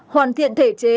ba hoàn thiện thể chế